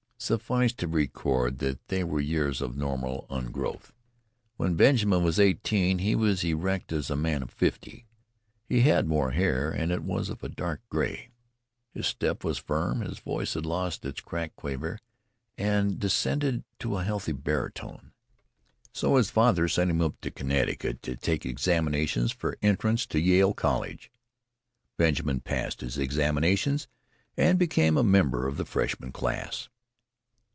Suffice to record that they were years of normal ungrowth. When Benjamin was eighteen he was erect as a man of fifty; he had more hair and it was of a dark gray; his step was firm, his voice had lost its cracked quaver and descended to a healthy baritone. So his father sent him up to Connecticut to take examinations for entrance to Yale College. Benjamin passed his examination and became a member of the freshman class.